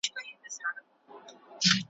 موږ به ولي د قصاب چړې ته تللای `